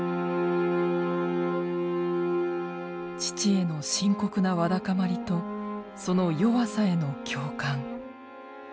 父への深刻なわだかまりとその弱さへの共感。